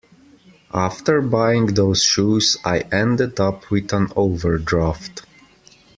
After buying those shoes I ended up with an overdraft